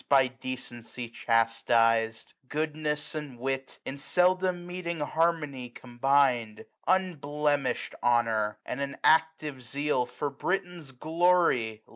By decency chastised ; goodness and wit, 25 In seldom meeting harmony combined; Unblemished honour, and an active zeal For Britain's glory.